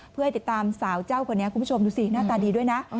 เพื่อให้ติดตามสาวเจ้าคนนี้คุณผู้ชมดูสิหน้าตาดีด้วยนะ